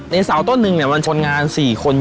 ในเสาร์ต้นหนึ่งเนี่ยมันผลงาน๔คน